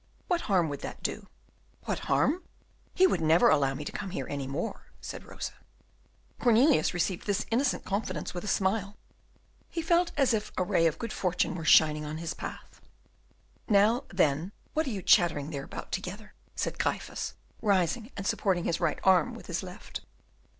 "What harm would that do?" "What harm? He would never allow me to come here any more," said Rosa. Cornelius received this innocent confidence with a smile; he felt as if a ray of good fortune were shining on his path. "Now, then, what are you chattering there together about?" said Gryphus, rising and supporting his right arm with his left.